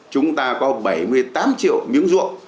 chúng ta có bảy mươi tám triệu miếng ruộng